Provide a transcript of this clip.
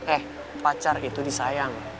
eh pacar itu disayang